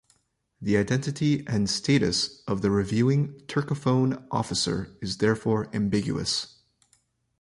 The identity and status of the reviewing, turcophone officer is therefore ambiguous.